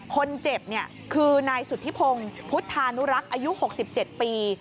คนเจ็บคือนายสุธิพงศ์พุทธานุรักษ์อายุ๖๗ปี